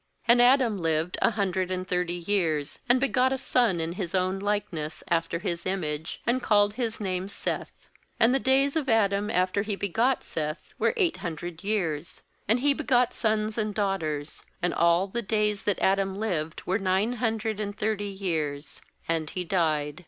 3And Adam lived a hundred and thirty years, and begot a son in his own like ness, after his image; and called his name Seth. 4And the days of Adam after he begot Seth were eight hundred years ; and he begot sons and daughters. 5And all the days that Adam lived were nine hundred and thirty years; and he died.